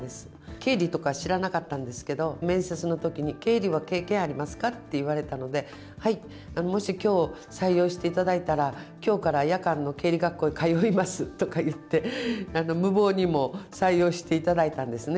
経理とか知らなかったんですけど、面接のときに、経理は経験ありますか？って言われたので、はい、もしきょう、採用していただいたら、きょうから夜間の経理学校に通いますとか言って、無謀にも採用していただいたんですね。